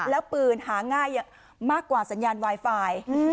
แล้วปืนหาง่ายมากกว่าสัญญาณไวไฟ